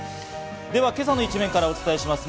今朝の一面からお伝えします。